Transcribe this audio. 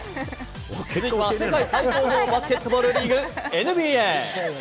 続いては世界最高峰バスケットボールリーグ・ＮＢＡ。